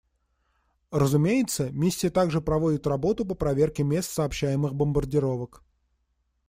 Разумеется, Миссия также проводит работу по проверке мест сообщаемых бомбардировок.